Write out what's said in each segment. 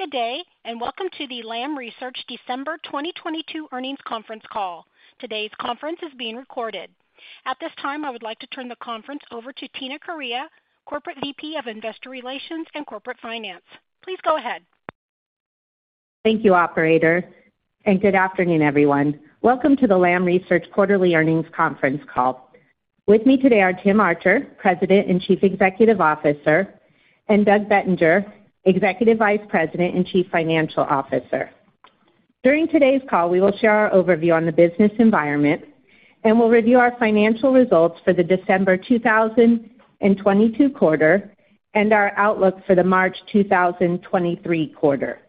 Good day, and welcome to the Lam Research December 2022 earnings conference call. Today's conference is being recorded. At this time, I would like to turn the conference over to Tina Correia, Corporate VP of Investor Relations and Corporate Finance. Please go ahead. Thank you, operator. Good afternoon, everyone. Welcome to the Lam Research Quarterly Earnings Conference Call. With me today are Tim Archer, President and Chief Executive Officer, and Doug Bettinger, Executive Vice President and Chief Financial Officer. During today's call, we will share our overview on the business environment, and we'll review our financial results for the December 2022 quarter and our outlook for the March 2023 quarter.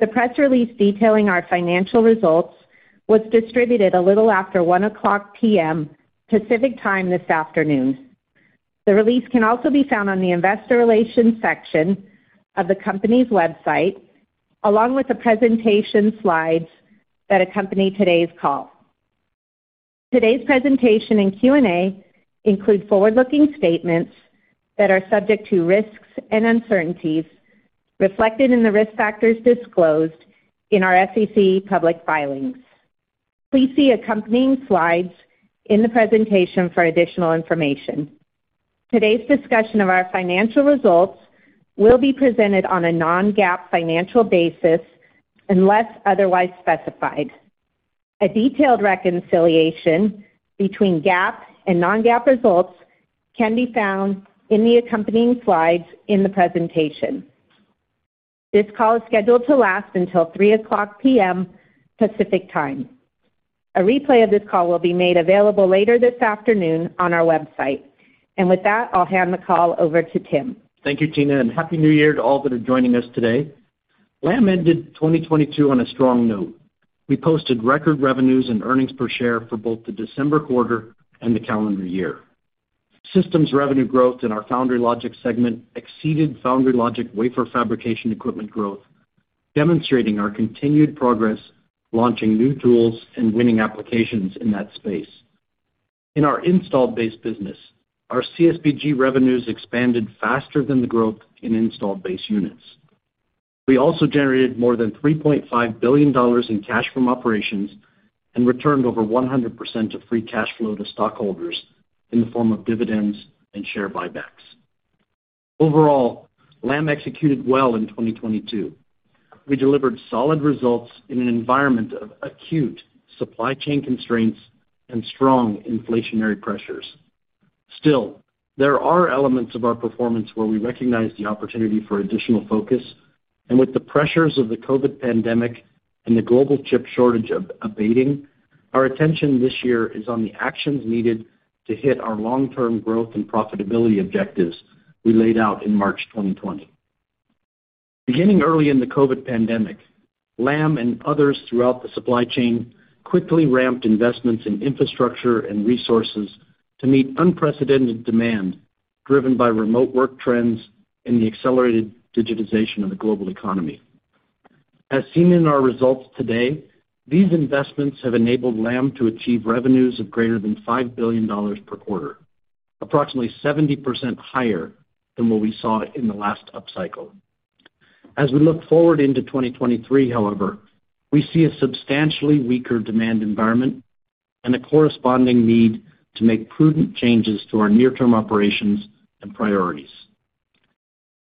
The press release detailing our financial results was distributed a little after 1:00 P.M. Pacific Time this afternoon. The release can also be found on the investor relations section of the company's website, along with the presentation slides that accompany today's call. Today's presentation and Q&A include forward-looking statements that are subject to risks and uncertainties reflected in the risk factors disclosed in our SEC public filings. Please see accompanying slides in the presentation for additional information. Today's discussion of our financial results will be presented on a non-GAAP financial basis, unless otherwise specified. A detailed reconciliation between GAAP and non-GAAP results can be found in the accompanying slides in the presentation. This call is scheduled to last until 3:00 P.M. Pacific Time. A replay of this call will be made available later this afternoon on our website. With that, I'll hand the call over to Tim. Thank you, Tina, and Happy New Year to all that are joining us today. Lam ended 2022 on a strong note. We posted record revenues and earnings per share for both the December quarter and the calendar year. Systems revenue growth in our Foundry/Logic segment exceeded Foundry logic wafer fabrication equipment growth, demonstrating our continued progress, launching new tools and winning applications in that space. In our installed base business, our CSBG revenues expanded faster than the growth in installed base units. We also generated more than $3.5 billion in cash from operations and returned over 100% of free cash flow to stockholders in the form of dividends and share buybacks. Overall, Lam executed well in 2022. We delivered solid results in an environment of acute supply chain constraints and strong inflationary pressures. Still, there are elements of our performance where we recognize the opportunity for additional focus. With the pressures of the COVID pandemic and the global chip shortage abating, our attention this year is on the actions needed to hit our long-term growth and profitability objectives we laid out in March 2020. Beginning early in the COVID pandemic, Lam and others throughout the supply chain quickly ramped investments in infrastructure and resources to meet unprecedented demand driven by remote work trends and the accelerated digitization of the global economy. As seen in our results today, these investments have enabled Lam to achieve revenues of greater than $5 billion per quarter, approximately 70% higher than what we saw in the last upcycle. As we look forward into 2023, however, we see a substantially weaker demand environment and a corresponding need to make prudent changes to our near-term operations and priorities.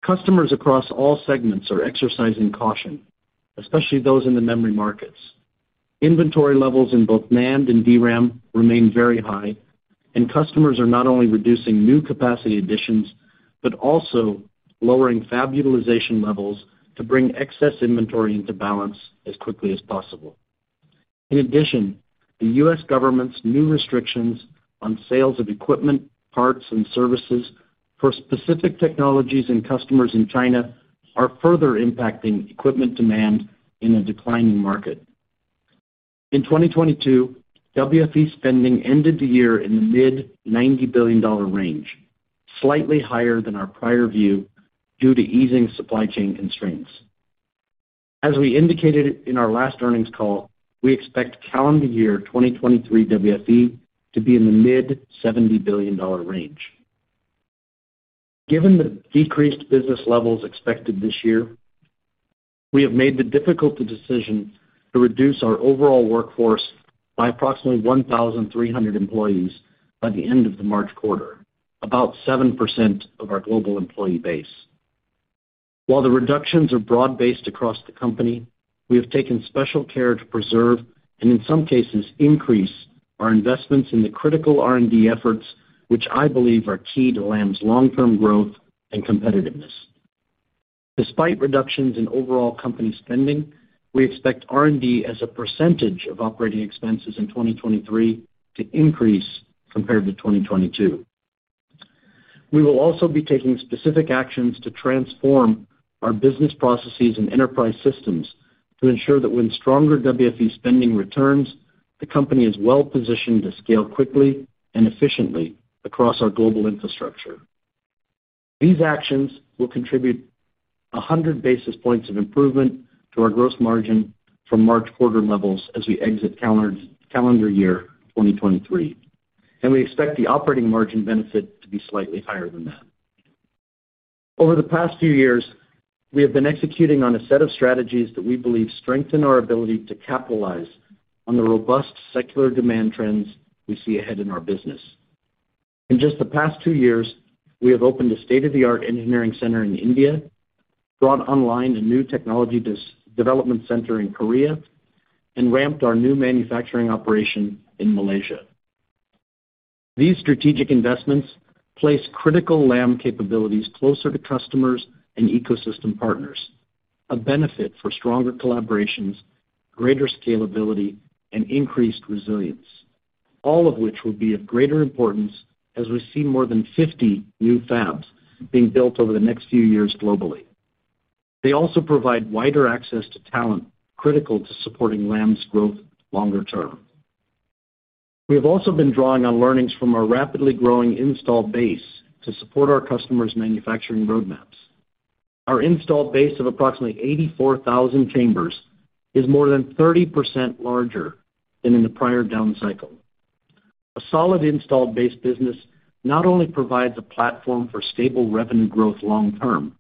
Customers across all segments are exercising caution, especially those in the memory markets. Inventory levels in both NAND and DRAM remain very high, and customers are not only reducing new capacity additions, but also lowering fab utilization levels to bring excess inventory into balance as quickly as possible. In addition, the U.S. government's new restrictions on sales of equipment, parts, and services for specific technologies and customers in China are further impacting equipment demand in a declining market. In 2022, WFE spending ended the year in the mid-$90 billion range, slightly higher than our prior view due to easing supply chain constraints. As we indicated in our last earnings call, we expect calendar year 2023 WFE to be in the mid-$70 billion range. Given the decreased business levels expected this year, we have made the difficult decision to reduce our overall workforce by approximately 1,300 employees by the end of the March quarter, about 7% of our global employee base. While the reductions are broad-based across the company, we have taken special care to preserve, and in some cases increase, our investments in the critical R&D efforts, which I believe are key to Lam's long-term growth and competitiveness. Despite reductions in overall company spending, we expect R&D as a percentage of operating expenses in 2023 to increase compared to 2022. We will also be taking specific actions to transform our business processes and enterprise systems to ensure that when stronger WFE spending returns, the company is well-positioned to scale quickly and efficiently across our global infrastructure. These actions will contribute 100 basis points of improvement to our gross margin from March quarter levels as we exit calendar year 2023. We expect the operating margin benefit to be slightly higher than that. Over the past few years, we have been executing on a set of strategies that we believe strengthen our ability to capitalize on the robust secular demand trends we see ahead in our business. In just the past two years, we have opened a state-of-the-art engineering center in India, brought online a new technology development center in Korea, and ramped our new manufacturing operation in Malaysia. These strategic investments place critical Lam capabilities closer to customers and ecosystem partners, a benefit for stronger collaborations, greater scalability, and increased resilience, all of which will be of greater importance as we see more than 50 new fabs being built over the next few years globally. They also provide wider access to talent, critical to supporting Lam's growth longer term. We have also been drawing on learnings from our rapidly growing installed base to support our customers' manufacturing roadmaps. Our installed base of approximately 84,000 chambers is more than 30% larger than in the prior down cycle. A solid installed base business not only provides a platform for stable revenue growth long term,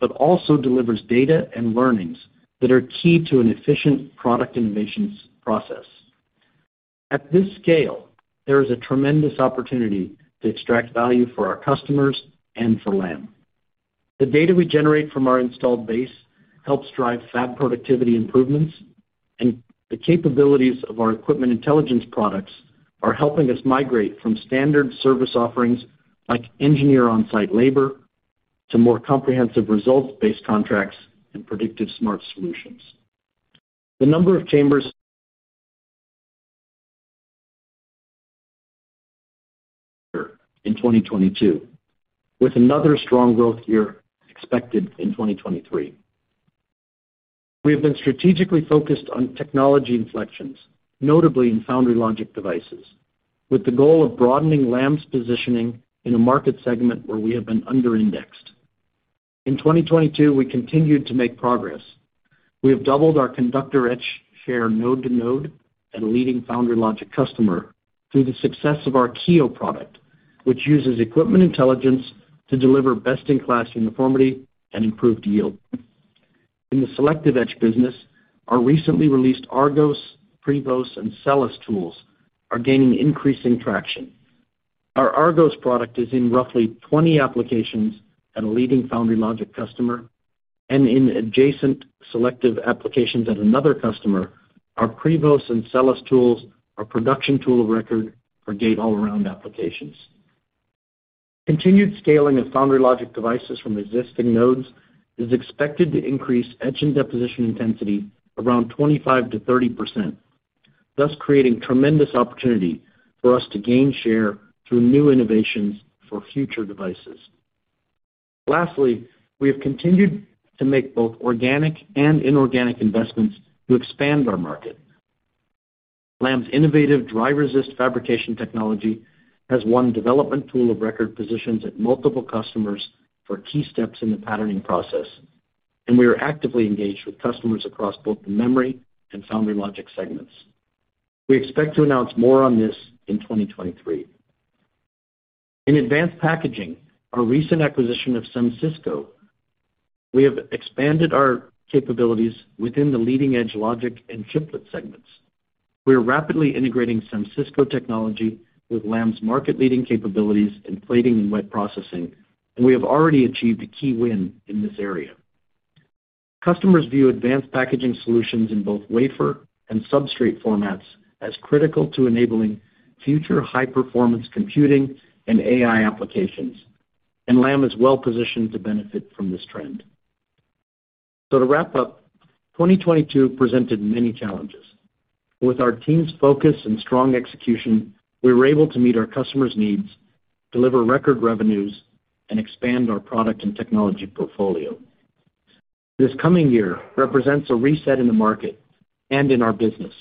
but also delivers data and learnings that are key to an efficient product innovations process. At this scale, there is a tremendous opportunity to extract value for our customers and for Lam. The data we generate from our installed base helps drive fab productivity improvements, and the capabilities of our Equipment Intelligence products are helping us migrate from standard service offerings, like engineer on-site labor, to more comprehensive results-based contracts and predictive smart solutions. The number of chambers in 2022, with another strong growth year expected in 2023. We have been strategically focused on technology inflections, notably in Foundry Logic devices, with the goal of broadening Lam's positioning in a market segment where we have been under-indexed. In 2022, we continued to make progress. We have doubled our conductor etch share node to node at a leading Foundry Logic customer through the success of our Kiyo product, which uses Equipment Intelligence to deliver best-in-class uniformity and improved yield. In the selective etch business, our recently released Argos, Prevos, and Selis tools are gaining increasing traction. Our Argos product is in roughly 20 applications at a leading Foundry/Logic customer, and in adjacent selective applications at another customer, our Prevos and Selis tools are production tool of record for gate-all-around applications. Continued scaling of Foundry/Logic devices from existing nodes is expected to increase etch and deposition intensity around 25%-30%, thus creating tremendous opportunity for us to gain share through new innovations for future devices. We have continued to make both organic and inorganic investments to expand our market. Lam's innovative dry resist fabrication technology has won development tool of record positions at multiple customers for key steps in the patterning process, and we are actively engaged with customers across both the memory and Foundry/Logic segments. We expect to announce more on this in 2023. In advanced packaging, our recent acquisition of SEMSYSCO, we have expanded our capabilities within the leading-edge logic and chiplet segments. We are rapidly integrating SEMSYSCO technology with Lam's market-leading capabilities in plating and wet processing, and we have already achieved a key win in this area. Customers view advanced packaging solutions in both wafer and substrate formats as critical to enabling future high-performance computing and AI applications, and Lam is well-positioned to benefit from this trend. To wrap up, 2022 presented many challenges. With our team's focus and strong execution, we were able to meet our customers' needs, deliver record revenues, and expand our product and technology portfolio. This coming year represents a reset in the market and in our business,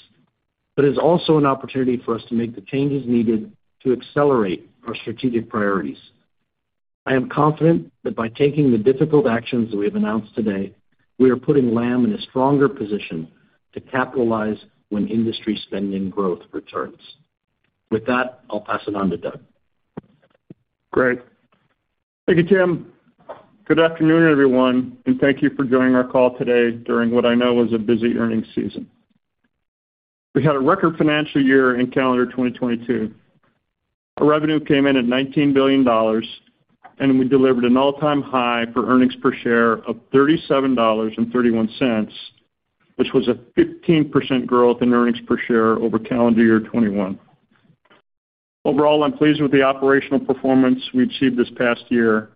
but is also an opportunity for us to make the changes needed to accelerate our strategic priorities. I am confident that by taking the difficult actions that we have announced today, we are putting Lam in a stronger position to capitalize when industry spending growth returns. With that, I'll pass it on to Doug. Great. Thank you, Tim. Good afternoon, everyone, and thank you for joining our call today during what I know is a busy earnings season. We had a record financial year in calendar 2022. Our revenue came in at $19 billion, and we delivered an all-time high for earnings per share of $37.31, which was a 15% growth in earnings per share over calendar year 2021. Overall, I'm pleased with the operational performance we achieved this past year,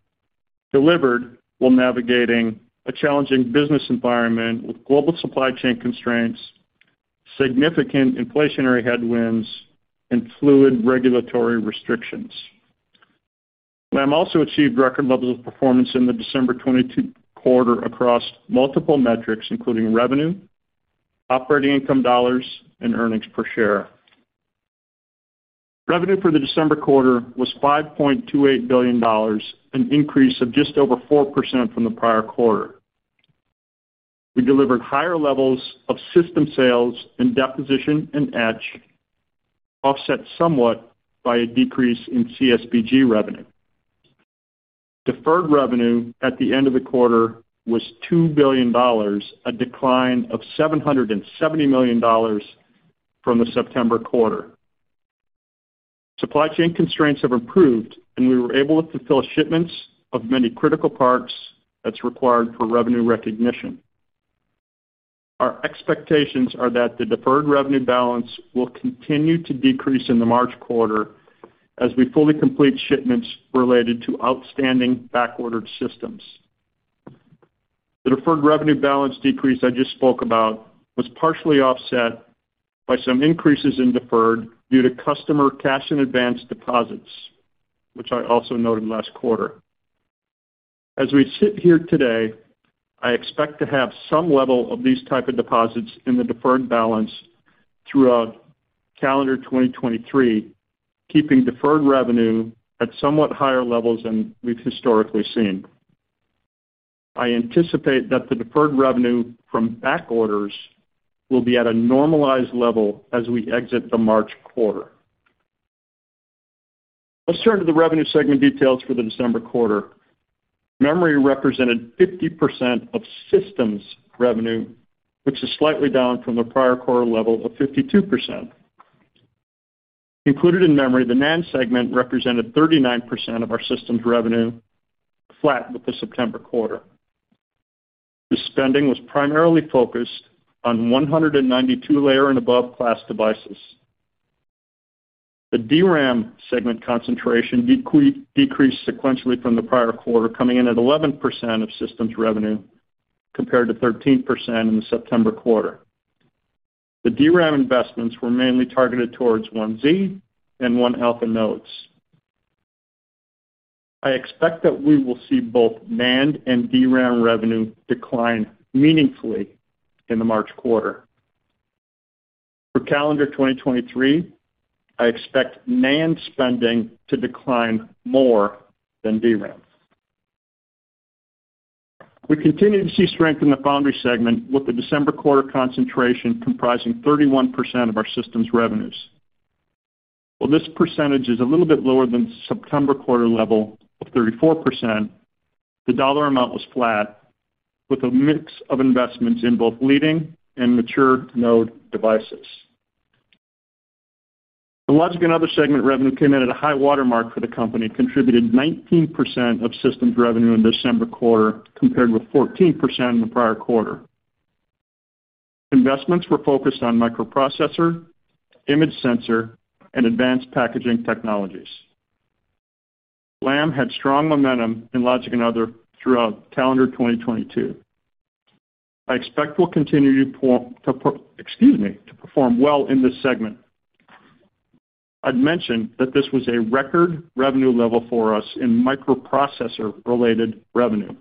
delivered while navigating a challenging business environment with global supply chain constraints, significant inflationary headwinds, and fluid regulatory restrictions. Lam also achieved record levels of performance in the December 2022 quarter across multiple metrics, including revenue, operating income dollars, and earnings per share. Revenue for the December quarter was $5.28 billion, an increase of just over 4% from the prior quarter. We delivered higher levels of system sales in deposition and etch, offset somewhat by a decrease in CSBG revenue. Deferred revenue at the end of the quarter was $2 billion, a decline of $770 million from the September quarter. Supply chain constraints have improved, we were able to fulfill shipments of many critical parts that's required for revenue recognition. Our expectations are that the deferred revenue balance will continue to decrease in the March quarter as we fully complete shipments related to outstanding back-ordered systems. The deferred revenue balance decrease I just spoke about was partially offset by some increases in deferred due to customer cash in advance deposits, which I also noted last quarter. As we sit here today, I expect to have some level of these type of deposits in the deferred balance throughout calendar 2023, keeping deferred revenue at somewhat higher levels than we've historically seen. I anticipate that the deferred revenue from back orders will be at a normalized level as we exit the March quarter. Let's turn to the revenue segment details for the December quarter. Memory represented 50% of systems revenue, which is slightly down from the prior quarter level of 52%. Included in memory, the NAND segment represented 39% of our systems revenue, flat with the September quarter. The spending was primarily focused on 192 layer and above class devices. The DRAM segment concentration decreased sequentially from the prior quarter, coming in at 11% of systems revenue, compared to 13% in the September quarter. The DRAM investments were mainly targeted towards 1Z and 1-alpha nodes. I expect that we will see both NAND and DRAM revenue decline meaningfully in the March quarter. For calendar 2023, I expect NAND spending to decline more than DRAM. We continue to see strength in the Foundry segment with the December quarter concentration comprising 31% of our systems revenues. While this percentage is a little bit lower than September quarter level of 34%, the dollar amount was flat with a mix of investments in both leading and mature node devices. The Logic and other segment revenue came in at a high water mark for the company, contributed 19% of systems revenue in December quarter, compared with 14% in the prior quarter. Investments were focused on microprocessor, image sensor, and advanced packaging technologies. LAM had strong momentum in logic and other throughout calendar 2022. I expect we'll continue, excuse me, to perform well in this segment. I'd mentioned that this was a record revenue level for us in microprocessor-related revenue.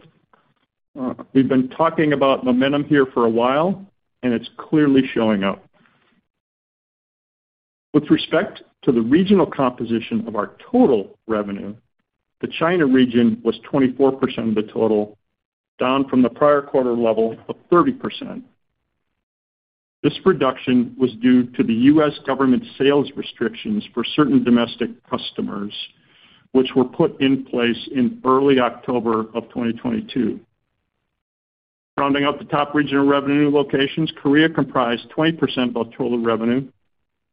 We've been talking about momentum here for a while, and it's clearly showing up. With respect to the regional composition of our total revenue, the China region was 24% of the total, down from the prior quarter level of 30%. This reduction was due to the U.S. government sales restrictions for certain domestic customers, which were put in place in early October of 2022. Rounding out the top regional revenue locations, Korea comprised 20% of total revenue,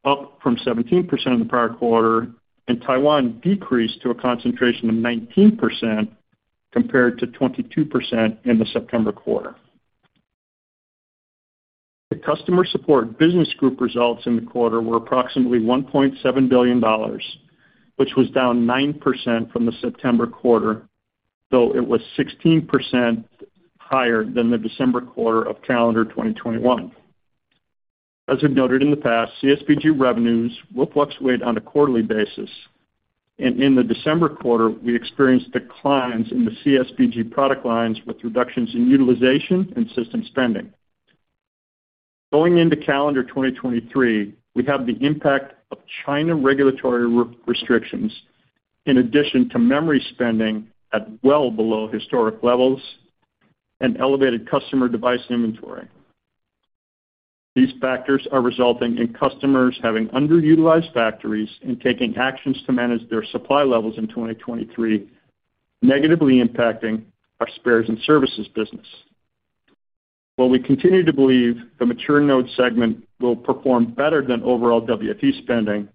up from 17% in the prior quarter, and Taiwan decreased to a concentration of 19% compared to 22% in the September quarter. The customer support business group results in the quarter were approximately $1.7 billion, which was down 9% from the September quarter, though it was 16% higher than the December quarter of calendar 2021. As we've noted in the past, CSBG revenues will fluctuate on a quarterly basis, and in the December quarter, we experienced declines in the CSBG product lines with reductions in utilization and system spending. Going into calendar 2023, we have the impact of China regulatory re-restrictions in addition to memory spending at well below historic levels and elevated customer device inventory. These factors are resulting in customers having underutilized factories and taking actions to manage their supply levels in 2023, negatively impacting our spares and services business. While we continue to believe the mature node segment will perform better than overall WFE spending,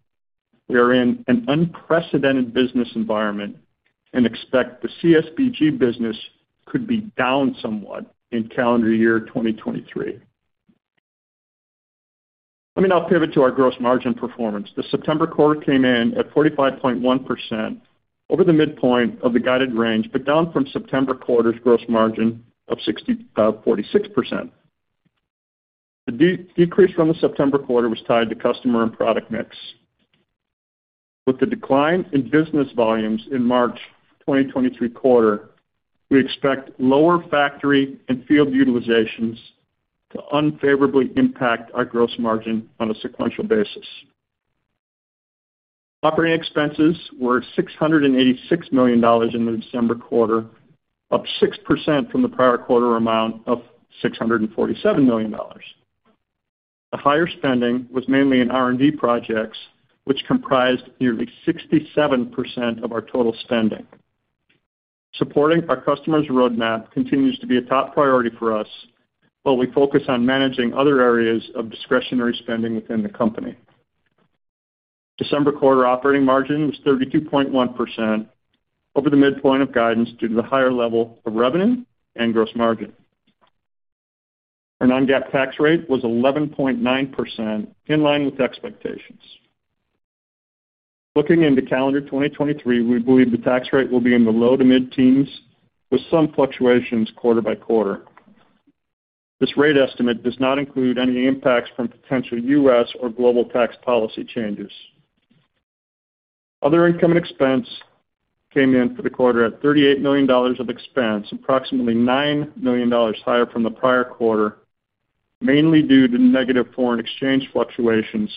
we are in an unprecedented business environment and expect the CSBG business could be down somewhat in calendar year 2023. Let me now pivot to our gross margin performance. The September quarter came in at 45.1% over the midpoint of the guided range, but down from September quarter's gross margin of 46%. The decrease from the September quarter was tied to customer and product mix. With the decline in business volumes in March 2023 quarter, we expect lower factory and field utilizations to unfavorably impact our gross margin on a sequential basis. Operating expenses were $686 million in the December quarter, up 6% from the prior quarter amount of $647 million. The higher spending was mainly in R&D projects, which comprised nearly 67% of our total spending. Supporting our customer's roadmap continues to be a top priority for us, while we focus on managing other areas of discretionary spending within the company. December quarter operating margin was 32.1% over the midpoint of guidance due to the higher level of revenue and gross margin. Our non-GAAP tax rate was 11.9%, in line with expectations. Looking into calendar 2023, we believe the tax rate will be in the low to mid-teens with some fluctuations quarter by quarter. This rate estimate does not include any impacts from potential U.S. or global tax policy changes. Other income and expense came in for the quarter at $38 million of expense, approximately $9 million higher from the prior quarter, mainly due to negative foreign exchange fluctuations,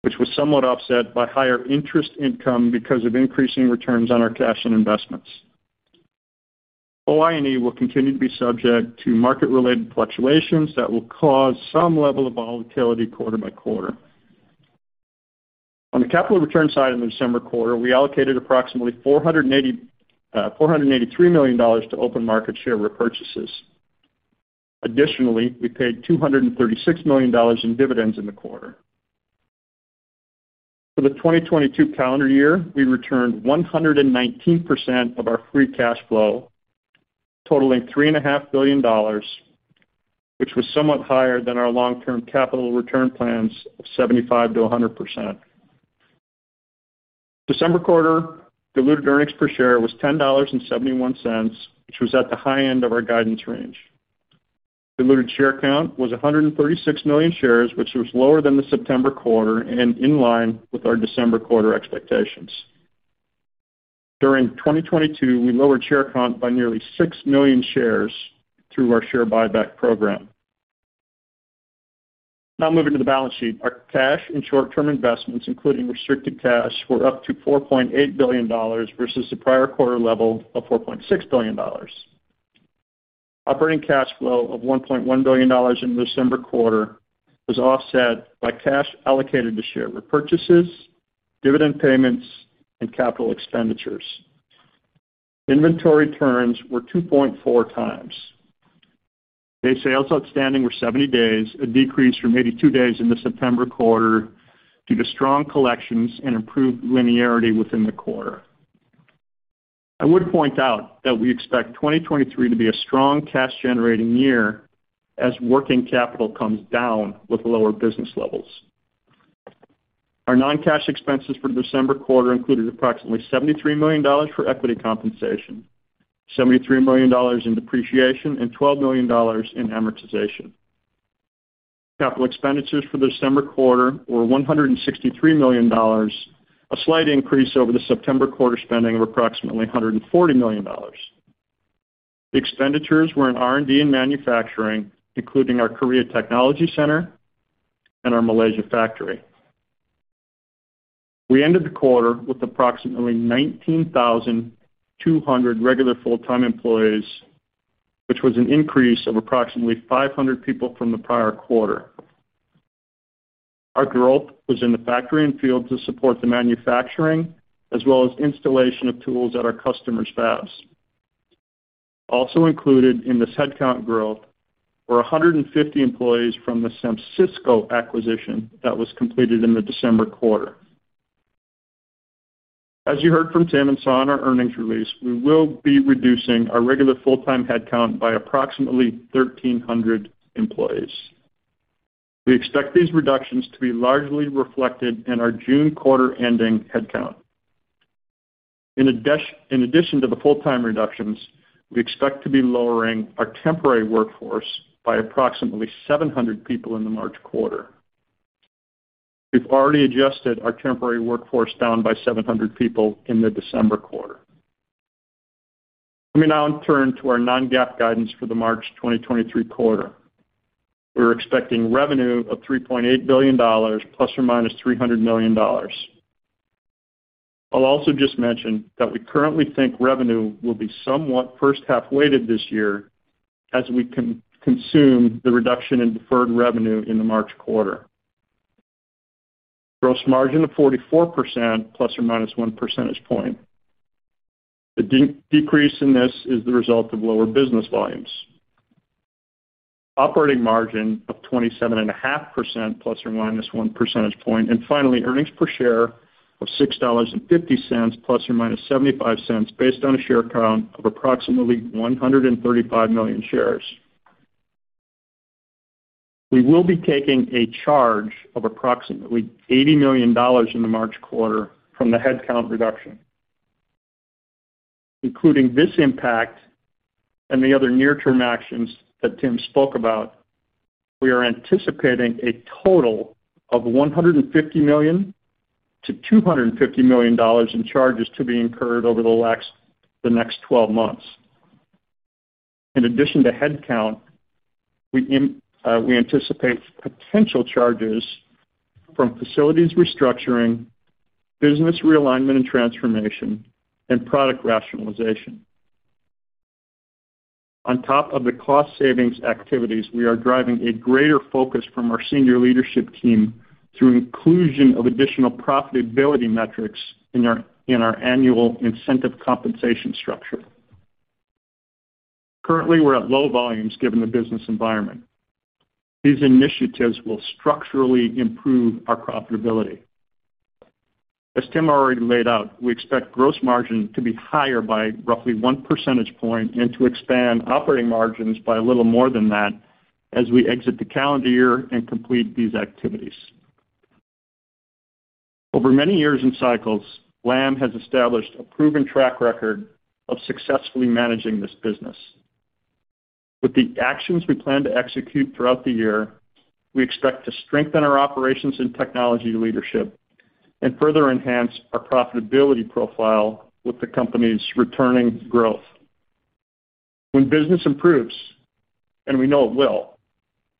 which was somewhat offset by higher interest income because of increasing returns on our cash and investments. OINE will continue to be subject to market-related fluctuations that will cause some level of volatility quarter by quarter. On the capital return side in the December quarter, we allocated approximately $483 million to open market share repurchases. Additionally, we paid $236 million in dividends in the quarter. For the 2022 calendar year, we returned 119% of our free cash flow, totaling three and a half billion dollars, which was somewhat higher than our long-term capital return plans of 75%-100%. December quarter diluted earnings per share was $10.71, which was at the high end of our guidance range. Diluted share count was 136 million shares, which was lower than the September quarter and in line with our December quarter expectations. During 2022, we lowered share count by nearly six million shares through our share buyback program. Moving to the balance sheet. Our cash and short-term investments, including restricted cash, were up to $4.8 billion versus the prior quarter level of $4.6 billion. Operating cash flow of $1.1 billion in the December quarter was offset by cash allocated to share repurchases, dividend payments, and capital expenditures. Inventory turns were 2.4x. Day sales outstanding were 70 days, a decrease from 82 days in the September quarter due to strong collections and improved linearity within the quarter. I would point out that we expect 2023 to be a strong cash-generating year as working capital comes down with lower business levels. Our non-cash expenses for the December quarter included approximately $73 million for equity compensation, $73 million in depreciation, and $12 million in amortization. Capital expenditures for the December quarter were $163 million, a slight increase over the September quarter spending of approximately $140 million. The expenditures were in R&D and manufacturing, including our Korea Technology Center and our Malaysia factory. We ended the quarter with approximately 19,200 regular full-time employees, which was an increase of approximately 500 people from the prior quarter. Our growth was in the factory and field to support the manufacturing as well as installation of tools at our customers' fabs. Also included in this headcount growth were 150 employees from the SEMSYSCO acquisition that was completed in the December quarter. As you heard from Tim and saw on our earnings release, we will be reducing our regular full-time headcount by approximately 1,300 employees. We expect these reductions to be largely reflected in our June quarter ending headcount. In addition to the full-time reductions, we expect to be lowering our temporary workforce by approximately 700 people in the March quarter. We've already adjusted our temporary workforce down by 700 people in the December quarter. Let me now turn to our non-GAAP guidance for the March 2023 quarter. We're expecting revenue of $3.8 billion ±$300 million. I'll also just mention that we currently think revenue will be somewhat first half-weighted this year as we consume the reduction in deferred revenue in the March quarter. Gross margin of 44% ±1 percentage point. The decrease in this is the result of lower business volumes. Operating margin of 27.5% ±1 percentage point. Finally, earnings per share of $6.50 ±$0.75, based on a share count of approximately 135 million shares. We will be taking a charge of approximately $80 million in the March quarter from the headcount reduction. Including this impact and the other near-term actions that Tim spoke about, we are anticipating a total of $150 million-$250 million in charges to be incurred over the next 12 months. In addition to headcount, we anticipate potential charges from facilities restructuring, business realignment and transformation, and product rationalization. On top of the cost savings activities, we are driving a greater focus from our senior leadership team through inclusion of additional profitability metrics in our annual incentive compensation structure. Currently, we're at low volumes given the business environment. These initiatives will structurally improve our profitability. As Tim already laid out, we expect gross margin to be higher by roughly 1 percentage point and to expand operating margins by a little more than that as we exit the calendar year and complete these activities. Over many years and cycles, Lam has established a proven track record of successfully managing this business. With the actions we plan to execute throughout the year, we expect to strengthen our operations and technology leadership and further enhance our profitability profile with the company's returning growth. When business improves, and we know it will,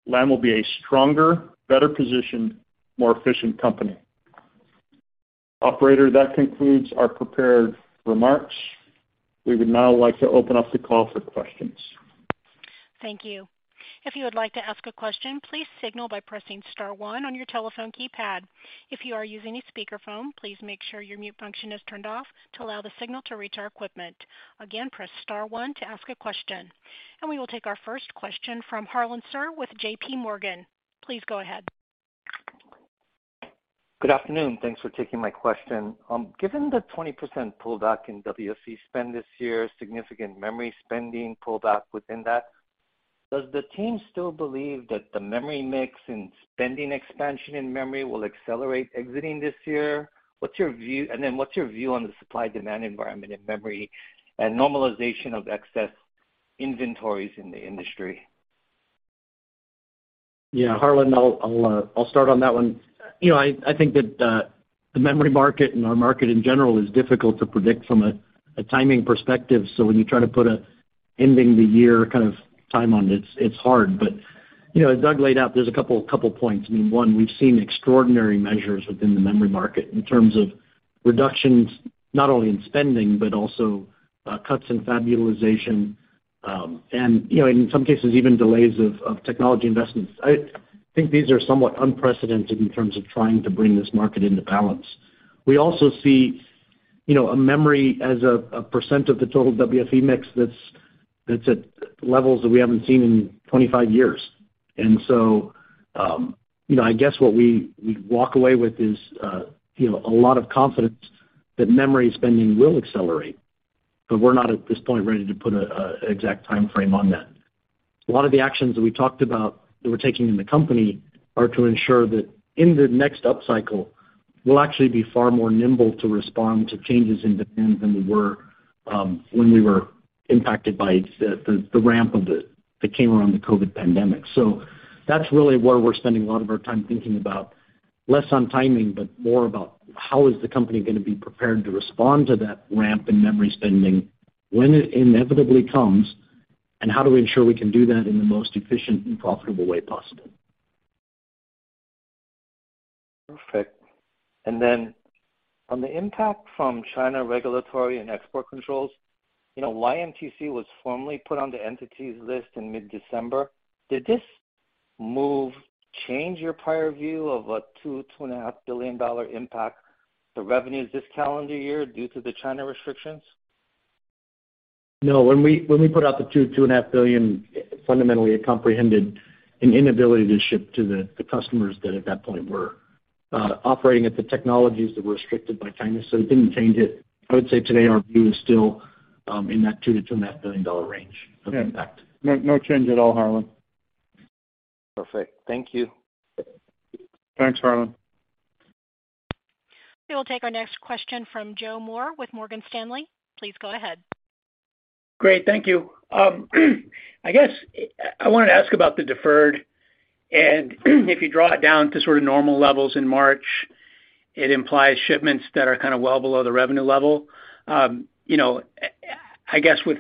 Lam will be a stronger, better positioned, more efficient company. Operator, that concludes our prepared remarks. We would now like to open up the call for questions. Thank you. If you would like to ask a question, please signal by pressing star one on your telephone keypad. If you are using a speakerphone, please make sure your mute function is turned off to allow the signal to reach our equipment. Again, press star one to ask a question. We will take our first question from Harlan Sur with JPMorgan. Please go ahead. Good afternoon. Thanks for taking my question. Given the 20% pullback in WFE spend this year, significant memory spending pullback within that, does the team still believe that the memory mix and spending expansion in memory will accelerate exiting this year? What's your view on the supply-demand environment in memory and normalization of excess inventories in the industry? Harlan, I'll start on that one. You know, I think that the memory market and our market in general is difficult to predict from a timing perspective. When you try to put a ending the year kind of time on it's hard. You know, as Doug laid out, there's a couple points. I mean, one, we've seen extraordinary measures within the memory market in terms of reductions, not only in spending, but also cuts in fab utilization, and, you know, in some cases, even delays of technology investments. I think these are somewhat unprecedented in terms of trying to bring this market into balance. We also see, you know, a memory as a % of the total WFE mix that's at levels that we haven't seen in 25 years. You know, I guess what we walk away with is, you know, a lot of confidence that memory spending will accelerate, but we're not at this point ready to put a exact timeframe on that. A lot of the actions that we talked about that we're taking in the company are to ensure that in the next upcycle, we'll actually be far more nimble to respond to changes in demand than we were when we were impacted by the ramp that came around the COVID pandemic. That's really where we're spending a lot of our time thinking about less on timing, but more about how is the company gonna be prepared to respond to that ramp in memory spending when it inevitably comes, and how do we ensure we can do that in the most efficient and profitable way possible. Perfect. Then on the impact from China regulatory and export controls, you know, YMTC was formally put on the Entity List in mid-December. Did this move change your prior view of a $2 billion-$2.5 billion impact to revenues this calendar year due to the China restrictions? No. When we put out the $2 billion-$2.5 billion, fundamentally it comprehended an inability to ship to the customers that at that point were operating at the technologies that were restricted by China. It didn't change it. I would say today our view is still in that $2 billion-$2.5 billion range of impact. Yeah. No, no change at all, Harlan. Perfect. Thank you. Thanks, Harlan. We will take our next question from Joe Moore with Morgan Stanley. Please go ahead. Great. Thank you. I guess I wanted to ask about the deferred. If you draw it down to sort of normal levels in March, it implies shipments that are kinda well below the revenue level. You know, I guess with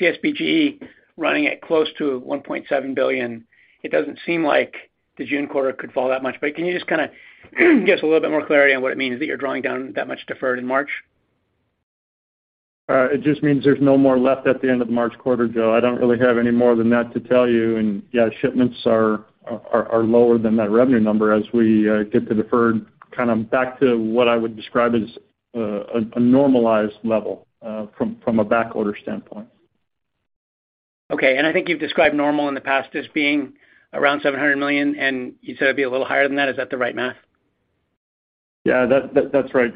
CSBG running at close to $1.7 billion, it doesn't seem like the June quarter could fall that much. Can you just kinda give us a little bit more clarity on what it means that you're drawing down that much deferred in March? It just means there's no more left at the end of the March quarter, Joe. I don't really have any more than that to tell you. Yeah, shipments are lower than that revenue number as we get the deferred kind of back to what I would describe as a normalized level from a backorder standpoint. Okay. I think you've described normal in the past as being around $700 million, and you said it'd be a little higher than that. Is that the right math? Yeah, that's right,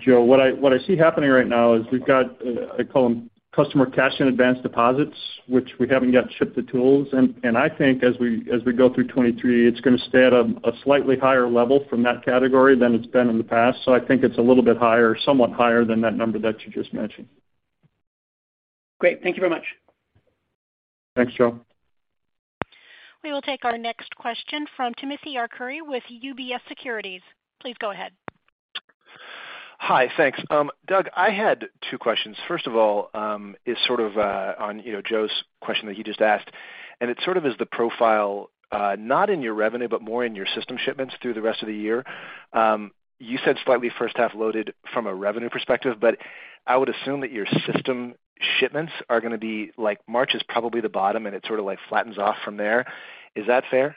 Joe. What I see happening right now is we've got I call them customer cash and advance deposits, which we haven't yet shipped the tools. I think as we go through 2023, it's gonna stay at a slightly higher level from that category than it's been in the past. I think it's a little bit higher, somewhat higher than that number that you just mentioned. Great. Thank you very much. Thanks, Joe. We will take our next question from Timothy Arcuri with UBS Securities. Please go ahead. Hi, thanks. Doug, I had two questions. First of all, is sort of on, you know, Joe's question that he just asked, and it sort of is the profile, not in your revenue but more in your system shipments through the rest of the year. You said slightly first half loaded from a revenue perspective, but I would assume that your system shipments are gonna be like March is probably the bottom, and it sort of like flattens off from there. Is that fair?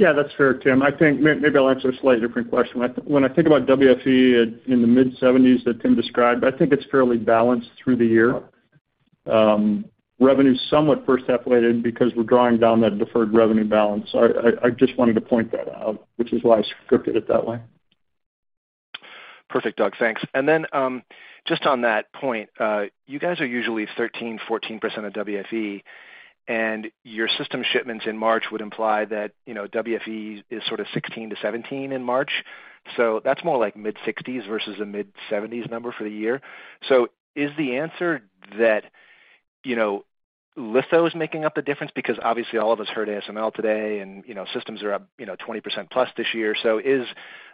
Yeah, that's fair, Tim. I think maybe I'll answer a slightly different question. When I think about WFE in the mid-seventies that Tim described, I think it's fairly balanced through the year. Revenue's somewhat first half weighted because we're drawing down that deferred revenue balance. I just wanted to point that out, which is why I scripted it that way. Perfect, Doug. Thanks. Just on that point, you guys are usually 13%-14% of WFE, and your system shipments in March would imply that, you know, WFE is sort of $16 billion-$17 billion in March. That's more like mid-$60 billion versus a mid-$70 billion number for the year. Is the answer that, you know, litho is making up the difference? Because obviously all of us heard ASML today and, you know, systems are up, you know, 20%+ this year. Is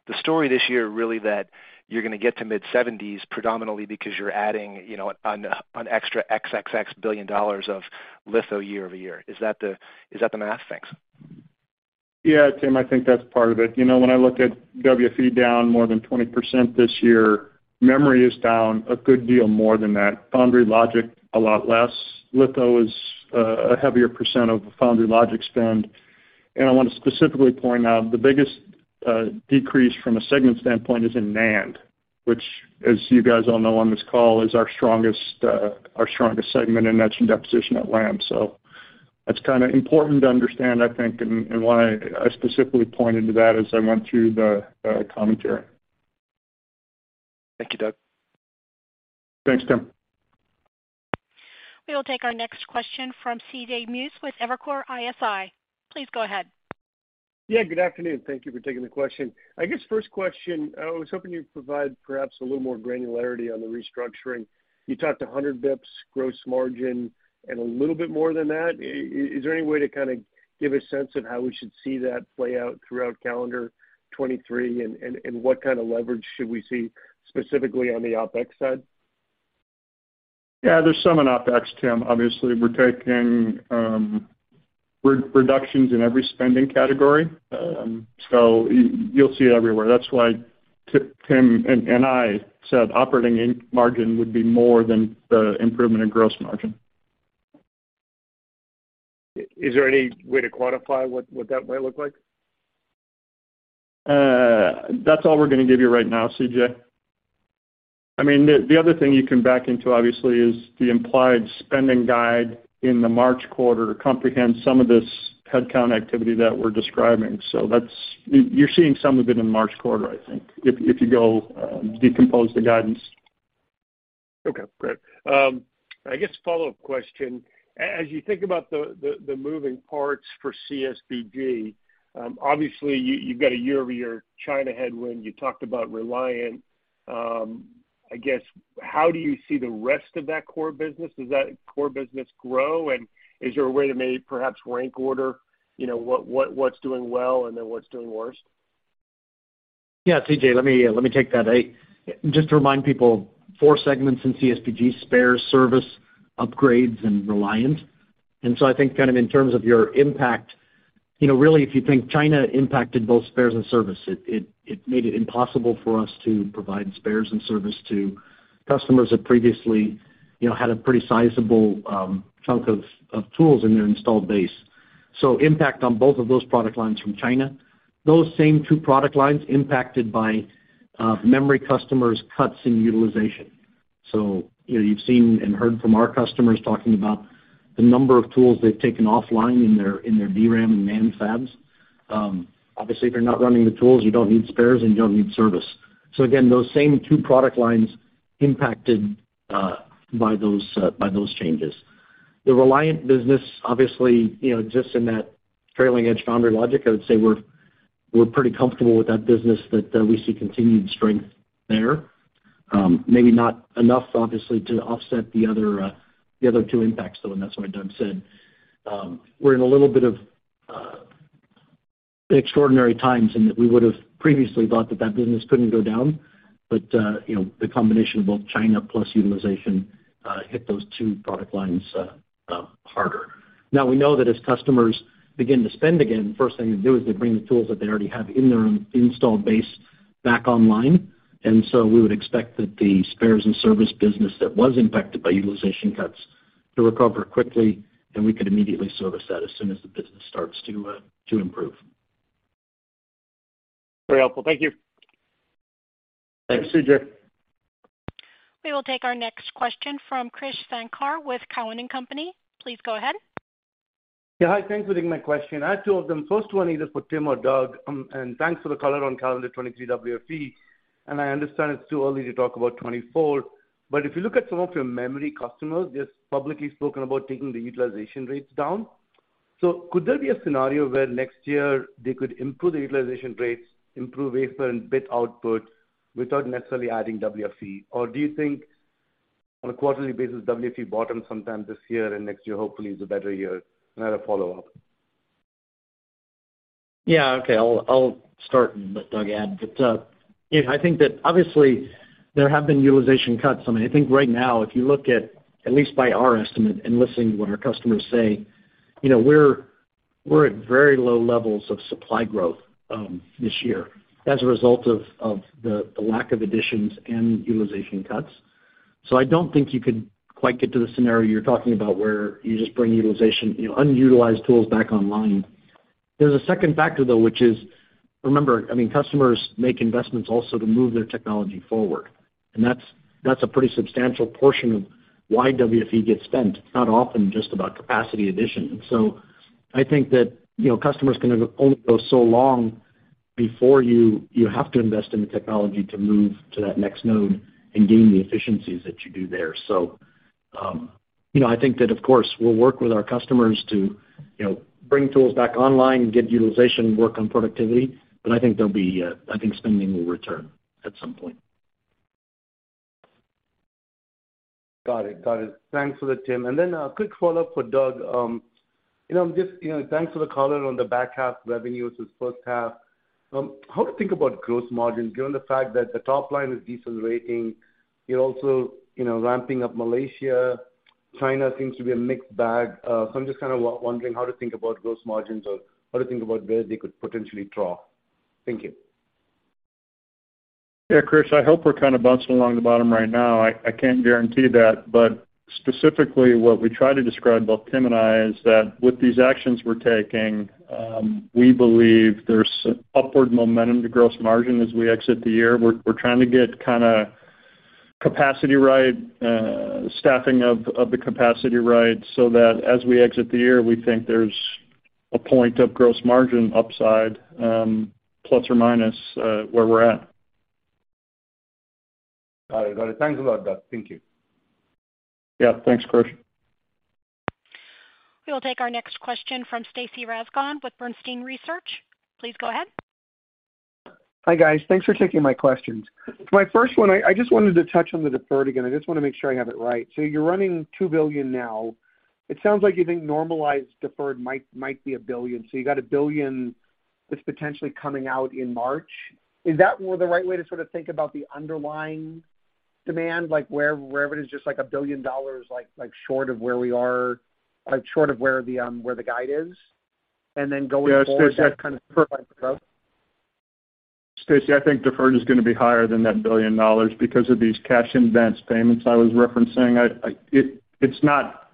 the story this year really that you're gonna get to mid-$70 billion predominantly because you're adding, you know, an extra $XXX billion of litho year-over-year? Is that the, is that the math? Thanks. Yeah, Tim, I think that's part of it. You know, when I look at WFE down more than 20% this year, memory is down a good deal more than that, Foundry/Logic a lot less. Litho is a heavier percent of Foundry/Logic spend. I wanna specifically point out the biggest decrease from a segment standpoint is in NAND, which as you guys all know on this call, is our strongest segment in etch and deposition at Lam. That's kinda important to understand, I think, and why I specifically pointed to that as I went through the commentary. Thank you, Doug. Thanks, Tim. We will take our next question from C.J. Muse with Evercore ISI. Please go ahead. Good afternoon. Thank you for taking the question. I guess first question, I was hoping you'd provide perhaps a little more granularity on the restructuring. You talked 100 basis points gross margin and a little bit more than that. Is there any way to kinda give a sense of how we should see that play out throughout calendar 2023, and what kind of leverage should we see specifically on the OpEx side? There's some in OpEx, Tim. Obviously we're taking reductions in every spending category. You'll see it everywhere. That's why Tim and I said operating margin would be more than the improvement in gross margin. Is there any way to quantify what that might look like? That's all we're gonna give you right now, C.J. I mean, the other thing you can back into obviously is the implied spending guide in the March quarter to comprehend some of this headcount activity that we're describing. That's. You're seeing some of it in March quarter, I think if you go decompose the guidance. Okay, great. I guess follow-up question. As you think about the moving parts for CSBG, obviously you've got a year-over-year China headwind. You talked about Reliant. I guess how do you see the rest of that core business? Does that core business grow? Is there a way to maybe perhaps rank order, you know, what's doing well and then what's doing worse? C.J., let me take that. Just to remind people, four segments in CSBG, spares, service, upgrades and Reliant. I think kind of in terms of your impact, you know, really if you think China impacted both spares and service, it made it impossible for us to provide spares and service to customers that previously, you know, had a pretty sizable chunk of tools in their installed base. Impact on both of those product lines from China. Those same two product lines impacted by memory customers' cuts in utilization. You know, you've seen and heard from our customers talking about the number of tools they've taken offline in their DRAM and NAND fabs. Obviously, if you're not running the tools, you don't need spares and you don't need service. Again, those same two product lines impacted by those by those changes. The Reliant business obviously, you know, exists in that trailing edge Foundry/Logic. I would say we're pretty comfortable with that business that we see continued strength there. Maybe not enough obviously to offset the other the other two impacts though, and that's why Doug said, we're in a little bit of extraordinary times in that we would've previously thought that that business couldn't go down. You know, the combination of both China plus utilization hit those two product lines harder. We know that as customers begin to spend again, first thing they do is they bring the tools that they already have in their own installed base back online. We would expect that the spares and service business that was impacted by utilization cuts to recover quickly, and we could immediately service that as soon as the business starts to improve. Very helpful. Thank you. Thanks, C.J. We will take our next question from Krish Sankar with Cowen and Company. Please go ahead. Hi. Thanks for taking my question. I have two of them. First one either for Tim Archer or Doug Bettinger. Thanks for the color on calendar 2023 WFE. I understand it's too early to talk about 2024. If you look at some of your memory customers, they've publicly spoken about taking the utilization rates down. Could there be a scenario where next year they could improve the utilization rates, improve wafer and bit output without necessarily adding WFE? Do you think on a quarterly basis, WFE bottom sometime this year and next year hopefully is a better year? I had a follow-up. Yeah. Okay. I'll start and let Doug add. You know, I think that obviously there have been utilization cuts. I mean, I think right now, if you look at least by our estimate and listening to what our customers say, you know, we're at very low levels of supply growth this year as a result of the lack of additions and utilization cuts. I don't think you could quite get to the scenario you're talking about where you just bring utilization, you know, unutilized tools back online. There's a second factor, though, which is, remember, I mean, customers make investments also to move their technology forward, and that's a pretty substantial portion of why WFE gets spent. It's not often just about capacity addition. I think that, you know, customers can only go so long before you have to invest in the technology to move to that next node and gain the efficiencies that you do there. You know, I think that, of course, we'll work with our customers to, you know, bring tools back online and get utilization work on productivity. I think there'll be, I think spending will return at some point. Got it. Got it. Thanks for that, Tim. Then a quick follow-up for Doug. You know, just, you know, thanks for the color on the back half revenues versus first half. How to think about gross margin, given the fact that the top line is decelerating, you're also, you know, ramping up Malaysia. China seems to be a mixed bag. I'm just kind of wondering how to think about gross margins or how to think about where they could potentially draw. Thank you. Yeah, Chris, I hope we're kind of bouncing along the bottom right now. I can't guarantee that, but specifically what we try to describe, both Tim and I, is that with these actions we're taking, we believe there's upward momentum to gross margin as we exit the year. We're trying to get kinda capacity right, staffing of the capacity right, so that as we exit the year, we think there's a point of gross margin upside, plus or minus where we're at. All right. Got it. Thanks a lot, Doug. Thank you. Yeah. Thanks, Krish. We will take our next question from Stacy Rasgon with Bernstein Research. Please go ahead. Hi, guys. Thanks for taking my questions. For my first one, I just wanted to touch on the deferred again. I just wanna make sure I have it right. You're running $2 billion now. It sounds like you think normalized deferred might be $1 billion. You got $1 billion that's potentially coming out in March. Is that more the right way to sort of think about the underlying demand, like where revenue is just like $1 billion, like short of where we are, like short of where the guide is? Then going forward, that kind of- Stacy, I think deferred is gonna be higher than that $1 billion because of these cash advance payments I was referencing. I. It's not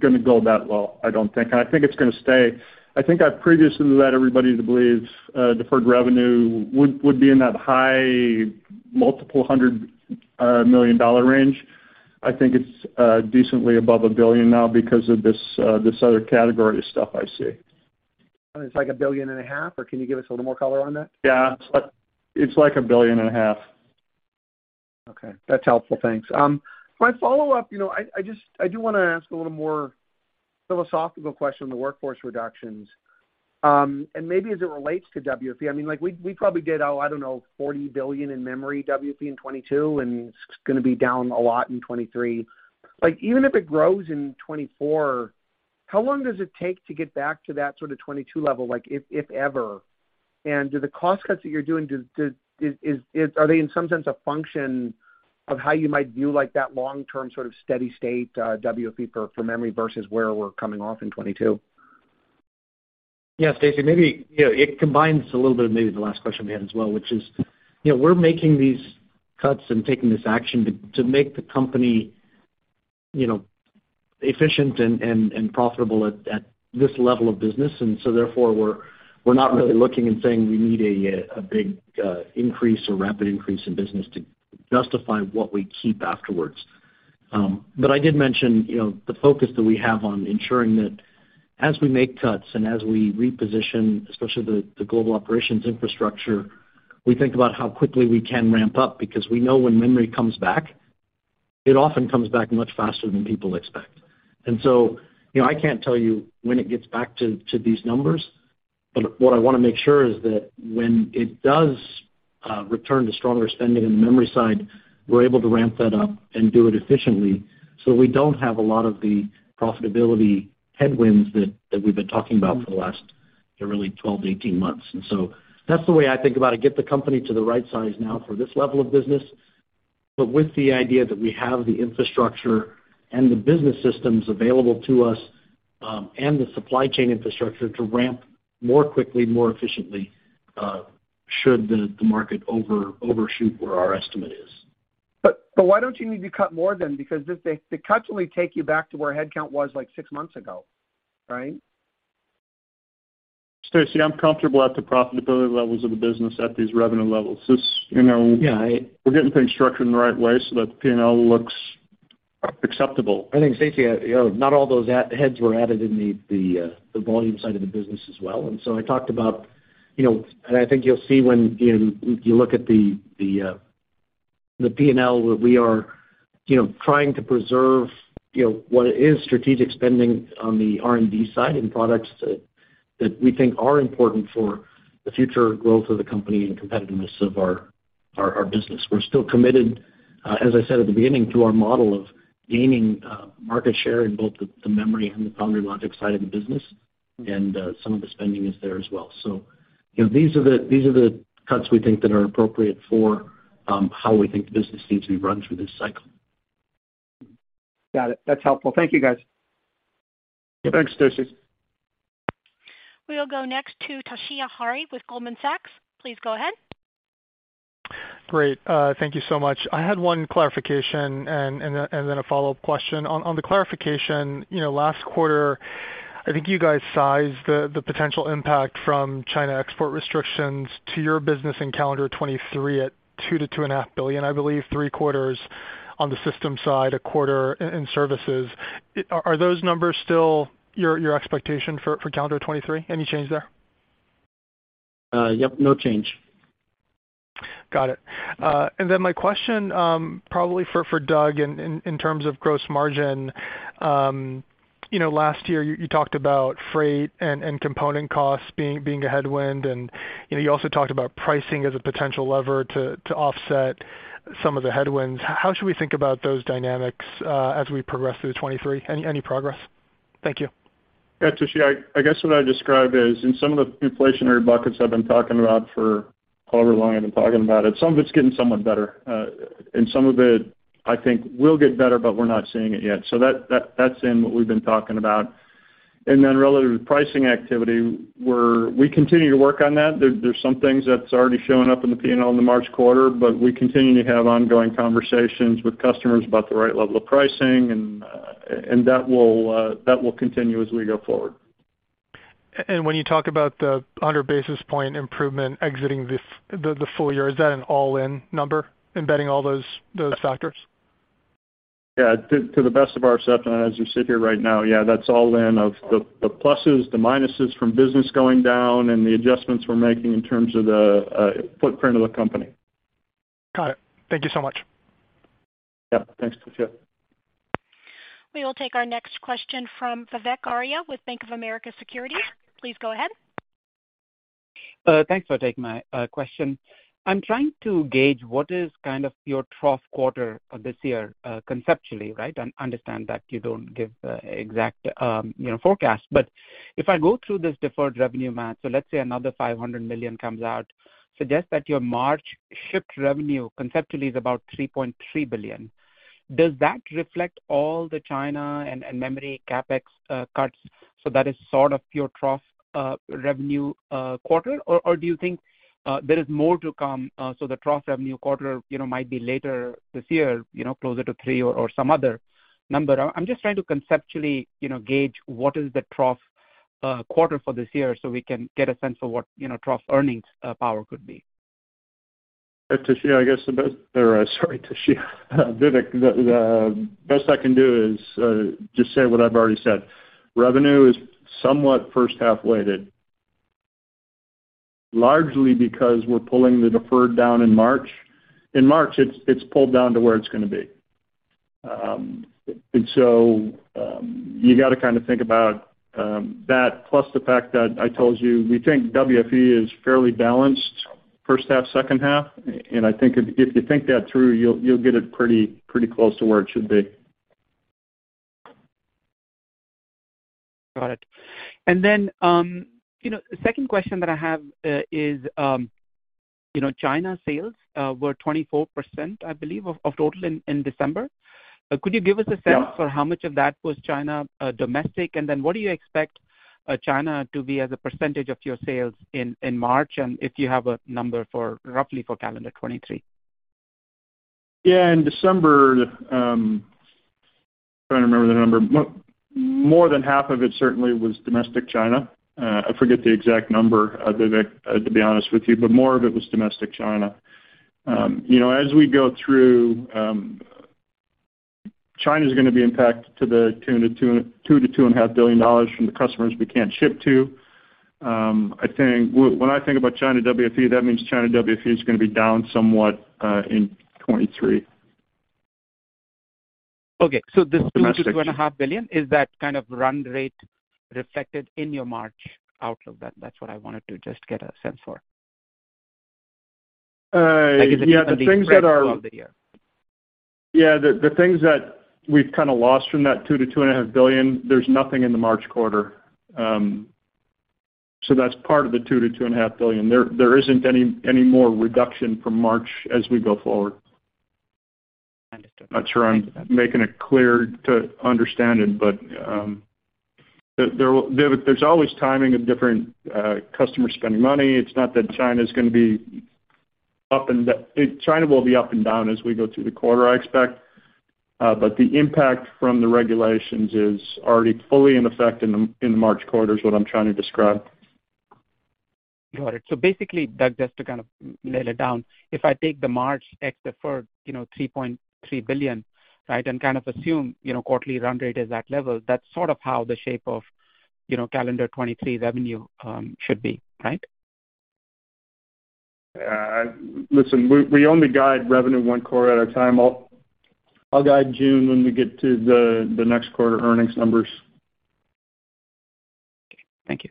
gonna go that well, I don't think. I think it's gonna stay. I think I previously led everybody to believe deferred revenue would be in that high multiple hundred million dollar range. I think it's decently above $1 billion now because of this other category stuff I see. It's like a billion and a half, or can you give us a little more color on that? Yeah. It's like a billion and a half. Okay. That's helpful. Thanks. My follow-up, you know, I just, I do wanna ask a little more philosophical question on the workforce reductions, and maybe as it relates to WFE. I mean, like we probably did, oh, I don't know, $40 billion in memory WFE in 2022, and it's gonna be down a lot in 2023. Like, even if it grows in 2024, how long does it take to get back to that sort of 2022 level, like if ever? Do the cost cuts that you're doing, are they in some sense a function of how you might view, like, that long-term sort of steady state WFE for memory versus where we're coming off in 2022? Yeah. Stacy, maybe, you know, it combines a little bit of maybe the last question we had as well, which is, you know, we're making these cuts and taking this action to make the company, you know, efficient and profitable at this level of business. Therefore, we're not really looking and saying we need a big increase or rapid increase in business to justify what we keep afterwards. I did mention, you know, the focus that we have on ensuring that as we make cuts and as we reposition, especially the global operations infrastructure, we think about how quickly we can ramp up because we know when memory comes back, it often comes back much faster than people expect. you know, I can't tell you when it gets back to these numbers, but what I wanna make sure is that when it does return to stronger spending in the memory side, we're able to ramp that up and do it efficiently so we don't have a lot of the profitability headwinds that we've been talking about for the last really 12 to 18 months. That's the way I think about it. Get the company to the right size now for this level of business, but with the idea that we have the infrastructure and the business systems available to us, and the supply chain infrastructure to ramp more quickly, more efficiently, should the market overshoot where our estimate is. Why don't you need to cut more then? Because the cuts only take you back to where headcount was like 6 months ago, right? Stacy, I'm comfortable at the profitability levels of the business at these revenue levels. This, you know... Yeah. We're getting things structured in the right way so that the P&L looks acceptable. I think, Stacy, you know, not all those heads were added in the volume side of the business as well. I talked about, you know, and I think you'll see when, you know, you look at the P&L, that we are, you know, trying to preserve, you know, what is strategic spending on the R&D side and products that we think are important for the future growth of the company and competitiveness of our Our business. We're still committed, as I said at the beginning, to our model of gaining market share in both the memory and the Foundry/Logic side of the business, and some of the spending is there as well. These are the cuts we think that are appropriate for how we think the business needs to be run through this cycle. Got it. That's helpful. Thank you, guys. Thanks, Stacy. We'll go next to Toshiya Hari with Goldman Sachs. Please go ahead. Great. thank you so much. I had one clarification and then a follow-up question. On the clarification, you know, last quarter, I think you guys sized the potential impact from China export restrictions to your business in calendar 2023 at $2 billion-$2.5 billion, I believe three quarters on the system side, a quarter in services. Are those numbers still your expectation for calendar 2023? Any change there? Yep, no change. Got it. My question, probably for Doug in terms of gross margin. You know, last year, you talked about freight and component costs being a headwind, you know, you also talked about pricing as a potential lever to offset some of the headwinds. How should we think about those dynamics as we progress through 2023? Any progress? Thank you. Yeah, Tashi, I guess what I described is in some of the inflationary buckets I've been talking about for however long I've been talking about it, some of it's getting somewhat better, and some of it I think will get better, but we're not seeing it yet. That's in what we've been talking about. Relative to pricing activity, we continue to work on that. There's some things that's already shown up in the P&L in the March quarter, but we continue to have ongoing conversations with customers about the right level of pricing and that will continue as we go forward. When you talk about the hundred basis point improvement exiting the full year, is that an all-in number embedding all those factors? Yeah. To the best of our assessment as we sit here right now, yeah, that's all in of the pluses, the minuses from business going down and the adjustments we're making in terms of the footprint of the company. Got it. Thank you so much. Yeah. Thanks, Tashi. We will take our next question from Vivek Arya with Bank of America Securities. Please go ahead. Thanks for taking my question. I'm trying to gauge what is kind of your trough quarter of this year, conceptually, right? I understand that you don't give the exact, you know, forecast. If I go through this deferred revenue math, let's say another $500 million comes out, suggest that your March shipped revenue conceptually is about $3.3 billion. Does that reflect all the China and memory CapEx cuts so that is sort of your trough revenue quarter? Do you think there is more to come, the trough revenue quarter, you know, might be later this year, you know, closer to $3 billion or some other number? I'm just trying to conceptually, you know, gauge what is the trough quarter for this year so we can get a sense of what, you know, trough earnings power could be. Tashi, I guess the best. Or sorry, Tashi. Vivek, the best I can do is just say what I've already said. Revenue is somewhat first half weighted, largely because we're pulling the deferred down in March. In March, it's pulled down to where it's gonna be. You got to kind of think about that plus the fact that I told you, we think WFE is fairly balanced first half, second half. I think if you think that through, you'll get it pretty close to where it should be. Got it. You know, the second question that I have, is, you know, China sales, were 24%, I believe, of total in December. Could you give us a sense for how much of that was China domestic? What do you expect China to be as a percentage of your sales in March, and if you have a number for roughly for calendar 2023? Yeah. In December, I'm trying to remember the number. More than half of it certainly was domestic China. I forget the exact number, Vivek, to be honest with you, but more of it was domestic China. You know, as we go through, China is gonna be impacted to the tune of $2 billion-$2.5 billion from the customers we can't ship to. When I think about China WFE, that means China WFE is gonna be down somewhat in 2023. Okay. Domestic China. Two and a half billion, is that kind of run rate reflected in your March outlook? That's what I wanted to just get a sense for. Yeah. The things that are... Like is it gonna be spread throughout the year? Yeah. The things that we've kind of lost from that $2 billion-$2.5 billion, there's nothing in the March quarter. That's part of the $2 billion-$2.5 billion. There isn't any more reduction from March as we go forward. Understood. Not sure I'm making it clear to understand it. There's always timing of different customer spending money. It's not that China is gonna be up and down as we go through the quarter, I expect. The impact from the regulations is already fully in effect in the, in the March quarter is what I'm trying to describe. Got it. Basically, Doug, just to kind of nail it down. If I take the March X deferred, you know, $3.3 billion, right? Kind of assume, you know, quarterly run rate is that level, that's sort of how the shape of, you know, calendar 2023 revenue should be, right? listen, we only guide revenue one quarter at a time. I'll guide June when we get to the next quarter earnings numbers. Thank you.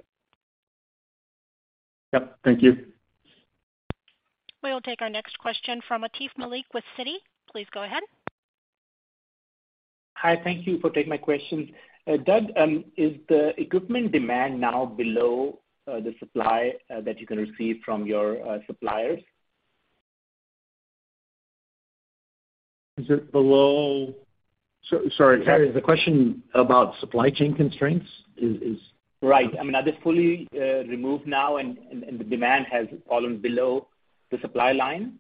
Yep. Thank you. We will take our next question from Atif Malik with Citi. Please go ahead. Hi. Thank you for taking my questions. Doug, is the equipment demand now below the supply that you can receive from your suppliers? Sorry, Terry, is the question about supply chain constraints? Right. I mean, are they fully removed now and, and the demand has fallen below the supply line?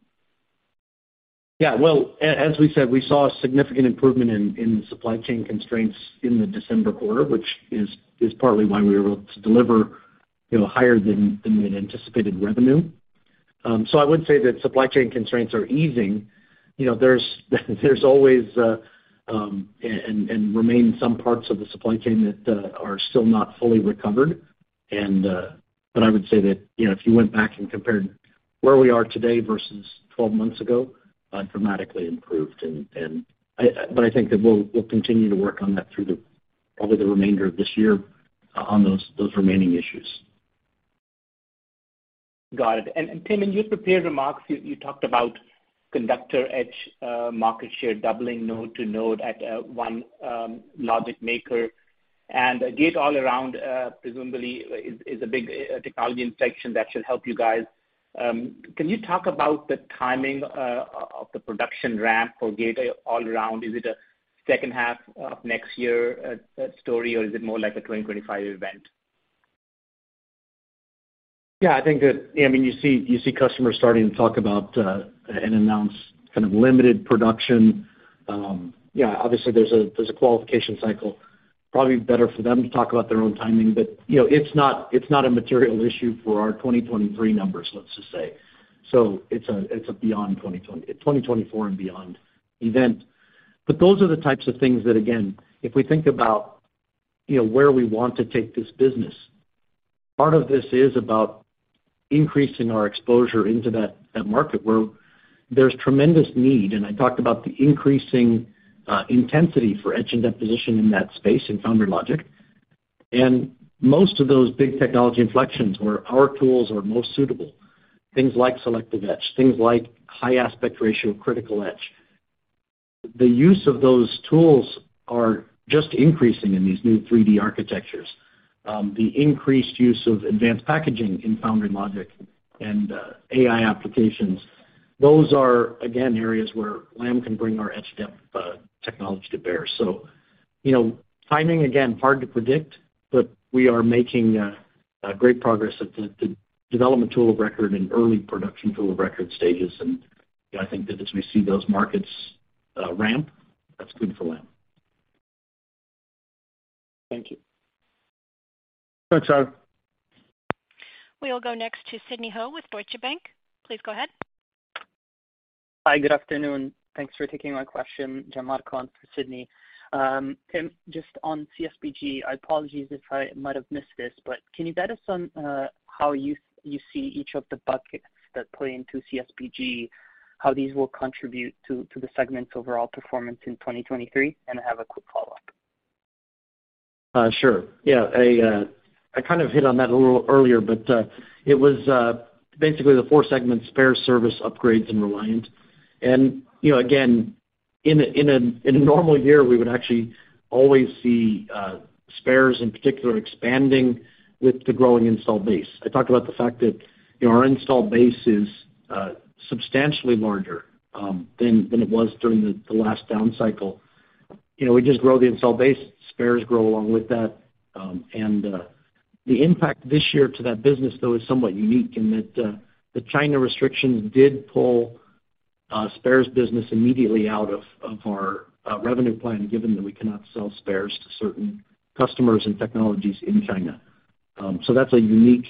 Yeah. Well, as we said, we saw a significant improvement in the supply chain constraints in the December quarter, which is partly why we were able to deliver, you know, higher than we had anticipated revenue. I would say that supply chain constraints are easing. You know, there's always and remain some parts of the supply chain that are still not fully recovered. I would say that, you know, if you went back and compared where we are today versus 12 months ago, dramatically improved. I think that we'll continue to work on that through the, probably the remainder of this year on those remaining issues. Got it. Tim, in your prepared remarks, you talked about conductor etch market share doubling node to node at one logic maker. Gate-all-around, presumably is a big technology inflection that should help you guys. Can you talk about the timing of the production ramp for gate-all-around? Is it a second half of next year story, or is it more like a 2025 event? I think that I mean, you see customers starting to talk about and announce kind of limited production. Obviously there's a qualification cycle. Probably better for them to talk about their own timing. You know, it's not a material issue for our 2023 numbers, let's just say. It's a beyond 2024 and beyond event. Those are the types of things that, again, if we think about, you know, where we want to take this business, part of this is about increasing our exposure into that market where there's tremendous need. I talked about the increasing intensity for etch and deposition in that space in foundry logic. Most of those big technology inflections where our tools are most suitable, things like selective etch, things like high aspect ratio, critical etch, the use of those tools are just increasing in these new 3D architectures. The increased use of advanced packaging in Foundry/Logic and AI applications, those are, again, areas where Lam can bring our etch depth technology to bear. You know, timing, again, hard to predict, but we are making great progress at the development tool of record and early production tool of record stages. You know, I think that as we see those markets ramp, that's good for Lam. Thank you. Thanks, Atif. We will go next to Sidney Ho with Deutsche Bank. Please go ahead. Hi. Good afternoon. Thanks for taking my question. Gianmarco on for Sidney. Tim, just on CSBG, I apologies if I might have missed this, but can you give us some how you see each of the buckets that play into CSBG, how these will contribute to the segment's overall performance in 2023? I have a quick follow-up. Sure. Yeah. I kind of hit on that a little earlier, but it was basically the four segments, spare, service, upgrades and Reliant. You know, again, in a normal year, we would actually always see spares in particular expanding with the growing install base. I talked about the fact that, you know, our install base is substantially larger than it was during the last down cycle. You know, we just grow the install base, spares grow along with that. The impact this year to that business though is somewhat unique in that the China restrictions did pull spares business immediately out of our revenue plan, given that we cannot sell spares to certain customers and technologies in China. That's a unique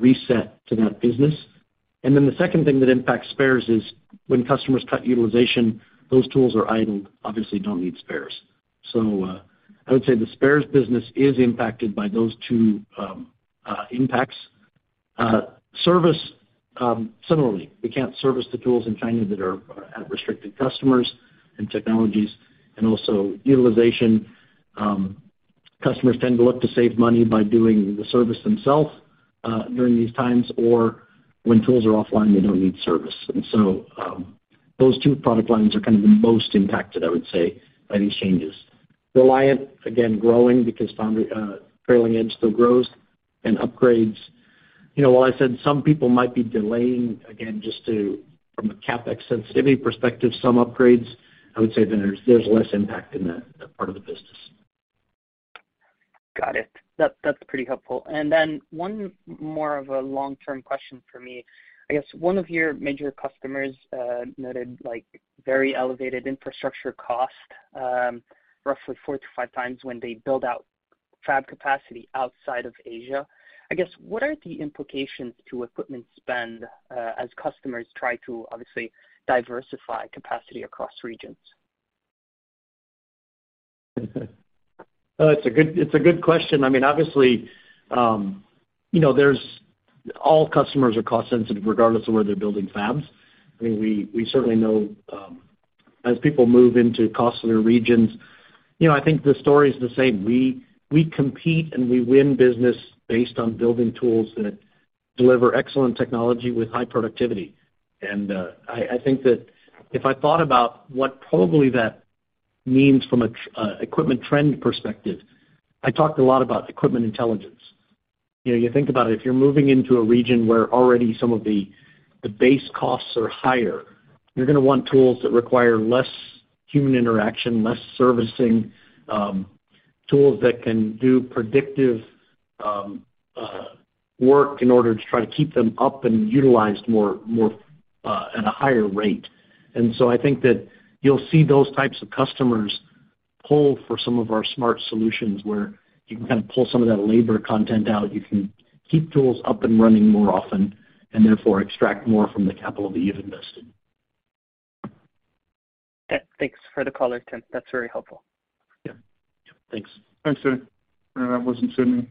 reset to that business. The second thing that impacts spares is when customers cut utilization, those tools are idled, obviously don't need spares. I would say the spares business is impacted by those two impacts. Service, similarly, we can't service the tools in China that have restricted customers and technologies and also utilization. Customers tend to look to save money by doing the service themselves during these times, or when tools are offline, they don't need service. Those two product lines are kind of the most impacted, I would say, by these changes. Reliant, again, growing because Foundry, trailing edge still grows and upgrades. You know, while I said some people might be delaying, again, just to, from a CapEx sensitivity perspective, some upgrades, I would say that there's less impact in that part of the business. Got it. That's pretty helpful. One more of a long-term question for me. I guess one of your major customers, like, very elevated infrastructure cost, roughly four to five times when they build out fab capacity outside of Asia. I guess, what are the implications to equipment spend, as customers try to obviously diversify capacity across regions? It's a good, it's a good question. I mean, obviously, you know, all customers are cost sensitive regardless of where they're building fabs. I mean, we certainly know, As people move into costlier regions, you know, I think the story's the same. We, we compete and we win business based on building tools that deliver excellent technology with high productivity. I think that if I thought about what probably that means from a Equipment Intelligence trend perspective, I talked a lot about Equipment Intelligence. You know, you think about it, if you're moving into a region where already some of the base costs are higher, you're gonna want tools that require less human interaction, less servicing, tools that can do predictive work in order to try to keep them up and utilized more at a higher rate. I think that you'll see those types of customers pull for some of our Equipment Intelligence where you can kind of pull some of that labor content out. You can keep tools up and running more often and therefore extract more from the capital that you've invested. Yeah. Thanks for the color, Tim. That's very helpful. Yeah. Yep. Thanks. Thanks, sir. That was from Sidney.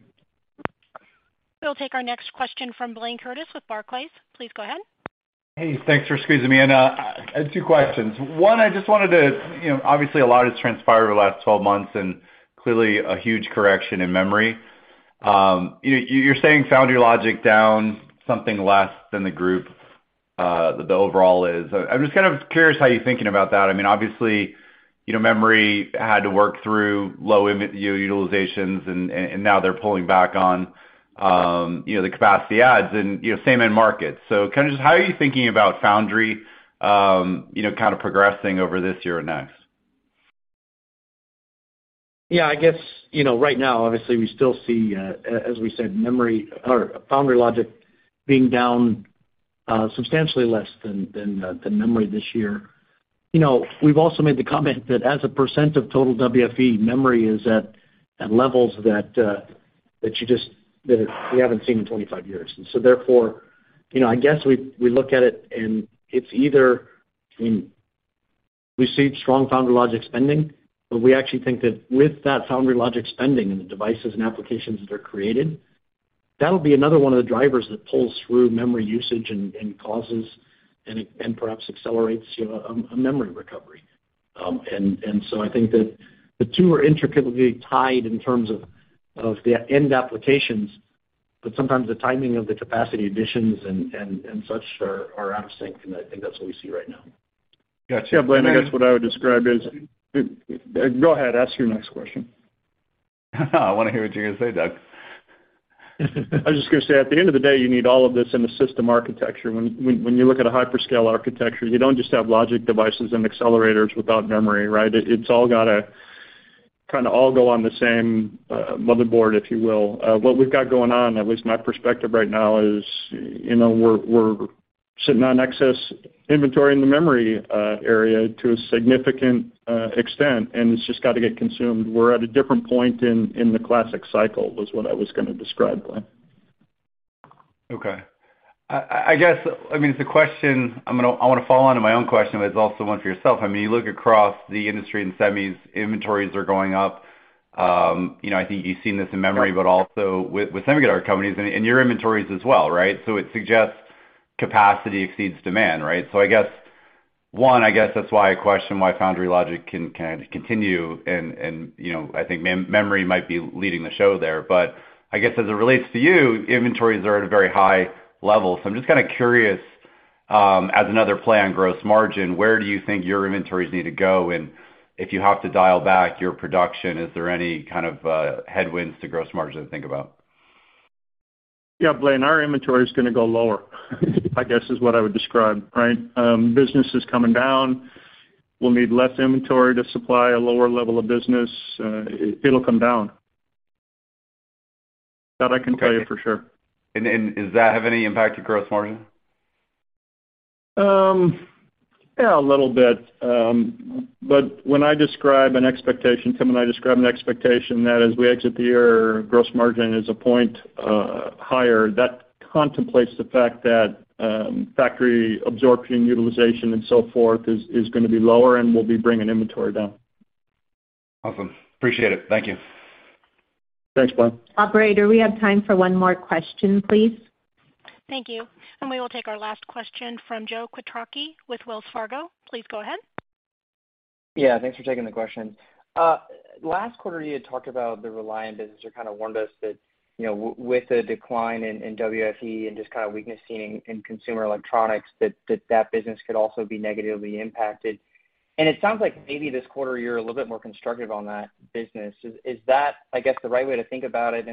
We'll take our next question from Blayne Curtis with Barclays. Please go ahead. Hey, thanks for squeezing me in. I had two questions. One, I just wanted to, you know, obviously a lot has transpired over the last 12 months and clearly a huge correction in memory. You, you're saying Foundry/Logic down something less than the group, the overall is? I'm just kind of curious how you're thinking about that. I mean, obviously, you know, memory had to work through low utilizations and now they're pulling back on, you know, the capacity adds and, you know, same end markets. Kind of just how are you thinking about Foundry, you know, kind of progressing over this year or next? I guess, you know, right now obviously we still see, as we said, memory or foundry logic being down substantially less than memory this year. We've also made the comment that as a percent of total WFE, memory is at levels that we haven't seen in 25 years. I guess we look at it and it's either, I mean, we see strong foundry logic spending, but we actually think that with that foundry logic spending and the devices and applications that are created, that'll be another one of the drivers that pulls through memory usage and causes and perhaps accelerates, you know, a memory recovery. I think that the two are intricately tied in terms of the end applications, but sometimes the timing of the capacity additions and such are out of sync, and I think that's what we see right now. Got you. Yeah, Blaine, I guess what I would describe is... Go ahead, ask your next question. I wanna hear what you're gonna say, Doug. I was just going to say, at the end of the day, you need all of this in the system architecture. When you look at a hyperscale architecture, you don't just have logic devices and accelerators without memory, right? It's all gotta kinda all go on the same motherboard, if you will. What we've got going on, at least in my perspective right now, is, you know, we're sitting on excess inventory in the memory area to a significant extent, and it's just got to get consumed. We're at a different point in the classic cycle, was what I was going to describe, Blayne. I guess, I mean, it's a question I wanna follow on to my own question, but it's also one for yourself. I mean, you look across the industry and semis, inventories are going up. You know, I think you've seen this in memory, but also with semiconductor companies and in your inventories as well, right? It suggests capacity exceeds demand, right? I guess, one, I guess that's why I question why Foundry/Logic can continue and, you know, I think memory might be leading the show there. I guess as it relates to you, inventories are at a very high level. I'm just kinda curious, as another play on gross margin, where do you think your inventories need to go? If you have to dial back your production, is there any kind of headwinds to gross margin to think about? Yeah, Blayne, our inventory is gonna go lower, I guess, is what I would describe, right? Business is coming down. We'll need less inventory to supply a lower level of business. It'll come down. That I can tell you for sure. Does that have any impact to gross margin? Yeah, a little bit. When I describe an expectation, Tim and I describe an expectation that as we exit the year, gross margin is a point higher. That contemplates the fact that factory absorption, utilization, and so forth is gonna be lower, and we'll be bringing inventory down. Awesome. Appreciate it. Thank you. Thanks, Blayne. Operator, we have time for one more question, please. Thank you. We will take our last question from Joseph Quatrochi with Wells Fargo. Please go ahead. Yeah, thanks for taking the question. Last quarter you had talked about the Reliant business or kind of warned us that, you know, with the decline in WFE and just kind of weakness seen in consumer electronics, that business could also be negatively impacted. It sounds like maybe this quarter you're a little bit more constructive on that business. Is that, I guess, the right way to think about it?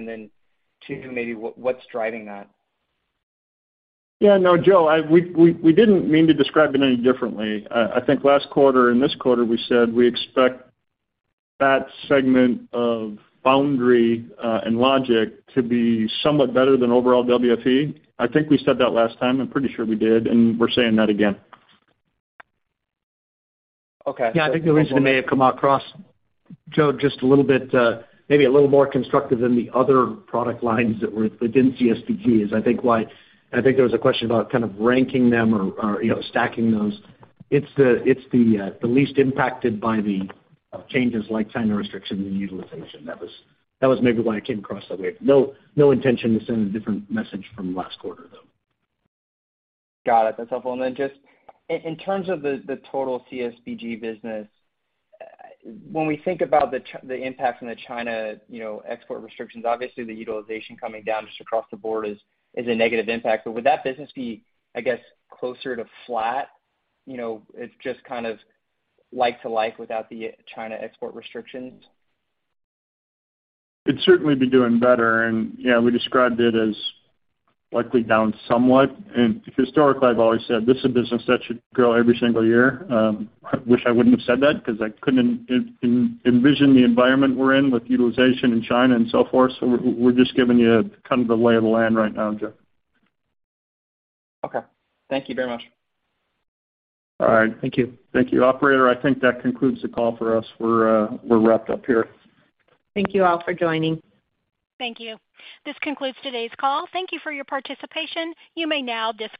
Two, maybe what's driving that? Yeah, no, Joe, we didn't mean to describe it any differently. I think last quarter and this quarter, we said we expect that segment of foundry and logic to be somewhat better than overall WFE. I think we said that last time, I'm pretty sure we did, we're saying that again. Okay. I think the reason it may have come across, Joe, just a little bit, maybe a little more constructive than the other product lines that were within CSBG is I think why there was a question about kind of ranking them or, you know, stacking those. It's the least impacted by the changes like China restrictions and utilization. That was maybe why it came across that way. No intention to send a different message from last quarter, though. Got it. That's helpful. Then just in terms of the total CSBG business, when we think about the impact from the China, you know, export restrictions, obviously the utilization coming down just across the board is a negative impact. Would that business be, I guess, closer to flat, you know, if just kind of life to life without the China export restrictions? It'd certainly be doing better. You know, we described it as likely down somewhat. Historically, I've always said this is a business that should grow every single year. Wish I wouldn't have said that because I couldn't envision the environment we're in with utilization in China and so forth. We're just giving you kind of the lay of the land right now, Joe. Okay. Thank you very much. All right. Thank you. Thank you, operator. I think that concludes the call for us. We're wrapped up here. Thank you all for joining. Thank you. This concludes today's call. Thank you for your participation. You may now disconnect.